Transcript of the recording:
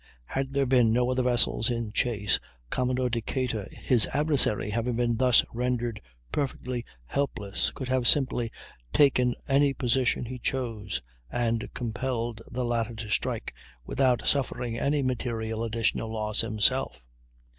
Had there been no other vessels in chase, Commodore Decatur, his adversary having been thus rendered perfectly helpless, could have simply taken any position he chose and compelled the latter to strike, without suffering any material additional loss himself.